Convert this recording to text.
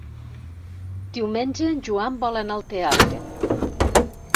Diumenge en Joan vol anar al teatre.